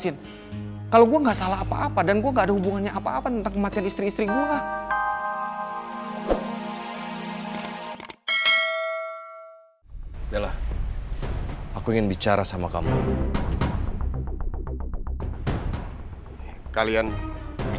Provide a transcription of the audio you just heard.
mau apa lagi kamu kesini